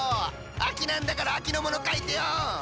秋なんだから秋のものかいてよ！